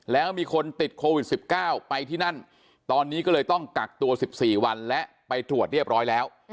แล้วมีคนติดโควิด๑๙ไปที่นั่นตอนนี้ก็เลยต้องกักตัว๑๔วันและไปตรวจเรียบร้อยแล้ว